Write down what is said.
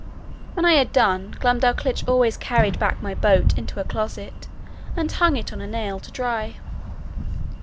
When I had done, Glumdalclitch always carried back my boat into her closet, and hung it on a nail to dry.